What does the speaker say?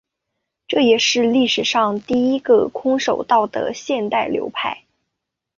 这也是历史上第一个空手道的现代流派。